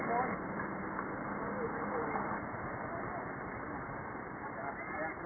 สวัสดีครับ